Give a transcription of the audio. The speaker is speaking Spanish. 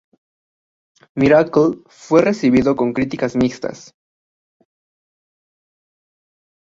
Miracle fue recibido con críticas mixtas.